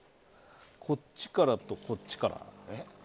こっちからと、こっちから。